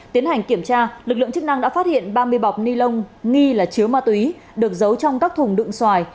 tiến hành kiểm tra lực lượng chức năng đã phát hiện ba mươi bọc ni lông nghi là chứa ma túy được giấu trong các thùng đựng xoài